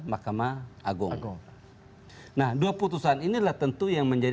mahkamah agung nah dua putusan inilah tentu yang menjadi